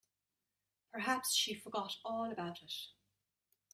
Perhaps she forgot all about it.